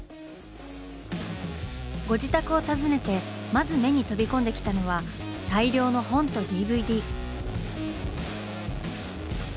ご自宅を訪ねてまず目に飛び込んできたのは大量の本とＤＶＤ。